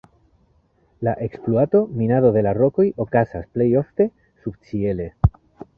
La ekspluato, minado de la rokoj okazas plej ofte subĉiele.